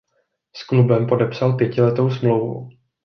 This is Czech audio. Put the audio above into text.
S klubem podepsal pětiletou smlouvu.